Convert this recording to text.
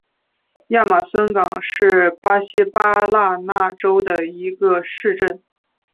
亚马孙港是巴西巴拉那州的一个市镇。